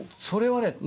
それはね。